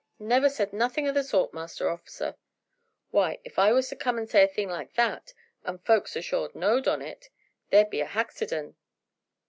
"Never said nothing o' the sort, Master Orficer. Why, if I was to come and say a thing like that, and folks ashore knowed on it, there'd be a haxiden."